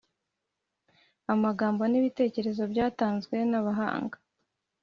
Amagambo n’ibitekerezo byatanzwe n’abahanga